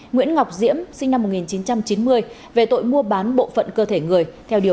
nguyễn ngọc diễm sinh năm một nghìn chín trăm chín mươi về tội mua bán bộ phận cơ thể người